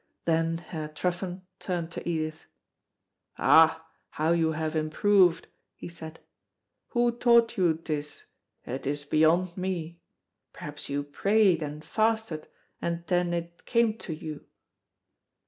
Then Herr Truffen turned to Edith. "Ah, how you have improved," he said. "Who taught you this? It is beyond me. Perhaps you prayed and fasted, and then it came to you."